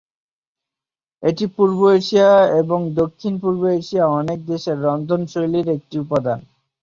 এটি পূর্ব এশীয় এবং দক্ষিণ-পূর্ব এশীয় অনেক দেশের রন্ধনশৈলীর একটি উপাদান।